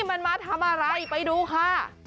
มันมาทำอะไรไปดูค่ะ